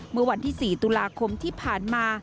เมื่อวันที่๔ตุลาคมที่ผ่านมา